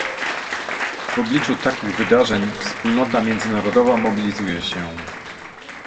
W obliczu takich wydarzeń wspólnota międzynarodowa mobilizuje się